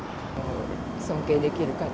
尊敬できる方。